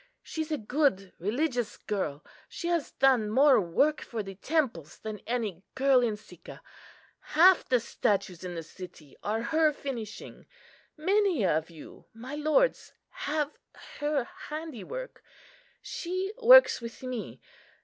She's a good religious girl; she has done more work for the temples than any girl in Sicca; half the statues in the city are her finishing. Many of you, my lords, have her handiwork. She works with me.